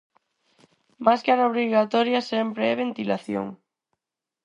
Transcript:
Máscara obrigatoria sempre e ventilación?